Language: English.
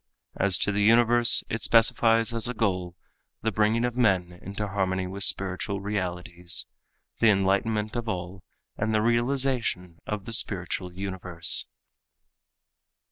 As to the universe it specifies as a goal the bringing of men into harmony with spiritual realities, the enlightenment of all and the realization of the spiritual universe.